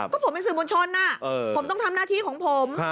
ก็ผมเป็นสื่อมวลชนผมต้องทำหน้าที่ของผม